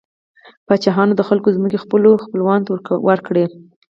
پاچاهانو د خلکو ځمکې خپلو خپلوانو ته ورکړې.